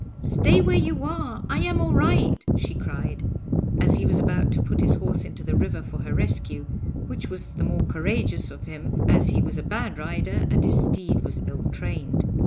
'Stay where you are! I am all right,' she cried, as he was about to put his horse into the river for her rescue, which was the more courageous of him, as he was a bad rider and his steed was ill trained.